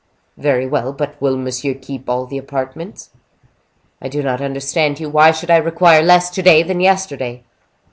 "Very well; but will monsieur keep all the apartments?" "I do not understand you. Why should I require less to day than yesterday?"